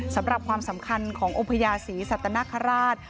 สำหรับความสำคัญขององค์พระยาศรีสัตนครราช